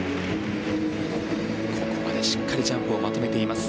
ここまでしっかりジャンプをまとめています。